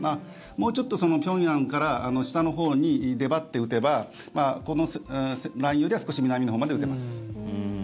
もうちょっと平壌から下のほうに出張って撃てばこのラインよりは少し南のほうまで撃てます。